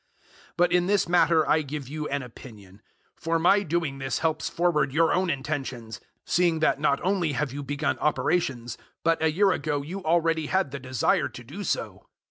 008:010 But in this matter I give you an opinion; for my doing this helps forward your own intentions, seeing that not only have you begun operations, but a year ago you already had the desire to do so.